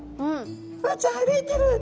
「ボウちゃん歩いてる！」